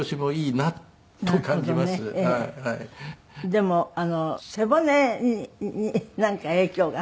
でも背骨になんか影響が？